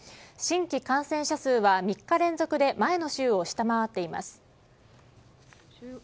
新規感染者数は３日連続で前の週を下回っています。